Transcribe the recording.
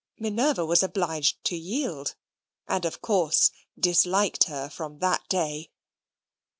Minerva was obliged to yield, and, of course, disliked her from that day.